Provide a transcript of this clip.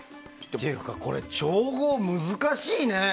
っていうかこれ、調合難しいね。